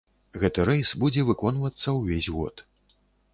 Гэты рэйс будзе выконвацца ўвесь год.